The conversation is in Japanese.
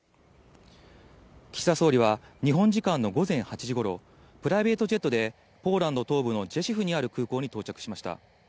岸田総理は日本時間の午前８時頃、プライベートジェットでポーランド東部のジェシュフにある空港に到着しました。